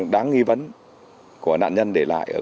bản văn bản đeo hai